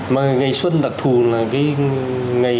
mà ngày xuân đặc thù là cái